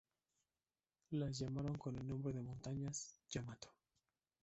Las llamaron con el nombre de montañas Yamato.